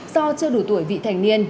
do chưa đủ tuổi vị thành niên